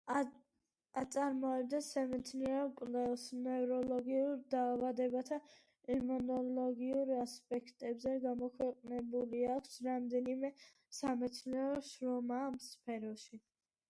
აწარმოებდა სამეცნიერო კვლევას ნევროლოგიურ დაავადებათა იმუნოლოგიურ ასპექტებზე, გამოქვეყნებული აქვს რამდენიმე სამეცნიერო შრომა ამ სფეროში.